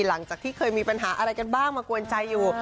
หลังจากที่เคยมีปัญหาอะไรกันบ้างมากวนใจอยู่